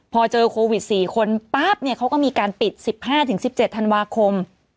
พอเจอโควิด๔คนปั๊บเนี่ยเขาก็มีการปิด๑๕๑๗ธันวาคม